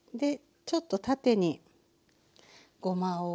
ちょっと縦にごまを。